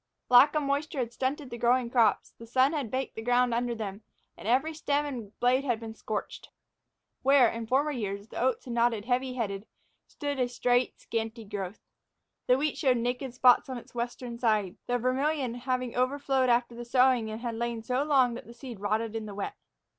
Lack of moisture had stunted the growing crops, the sun had baked the ground under them, and every stem and blade had been scorched. Where, in former years, the oats had nodded heavy headed stood a straight, scanty growth. The wheat showed naked spots on its western side, the Vermillion having overflowed after the sowing and lain so long that the seed rotted in the wet.